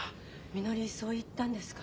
みのりそう言ったんですか？